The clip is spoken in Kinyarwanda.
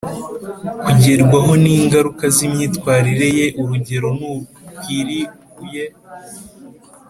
kugerwaho n ingaruka z imyitwarire ye Urugero ntukwiriye